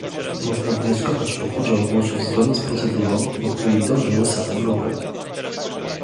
Można wnioskować o podział głosów zgodnie z procedurą, do której dążyły same grupy